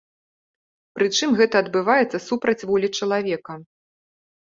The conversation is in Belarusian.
Прычым, гэта адбываецца супраць волі чалавека.